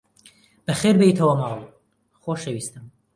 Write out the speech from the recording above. بەخێربێیتەوە ماڵ، خۆشەویستم!